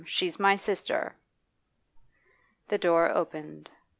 She's my sister.' The door opened.